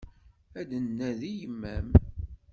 Ad d-nnadi yemma-m.